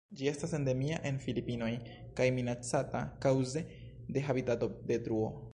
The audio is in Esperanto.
Ĝi estas endemia en Filipinoj kaj minacata kaŭze de habitatodetruo.